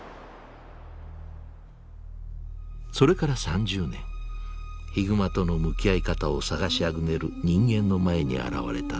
それから３０年ヒグマとの向き合い方を探しあぐねる人間の前に現れたのがＯＳＯ１８。